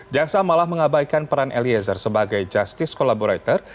jaksa malah mengabaikan peran eliezer sebagai justice collaborator